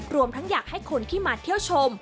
รวมทั้งอยากให้คนที่มาเที่ยวชม